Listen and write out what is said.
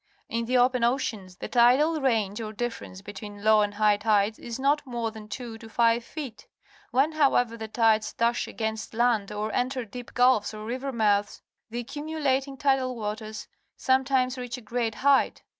In the open oceans, the tidal range, or difference between low and high tide, is not more than two to five feet. \Mien, however, the tides dash against land or enter deep gulfs or river mouths, the accumulating tidal waters sometimes reach a great height.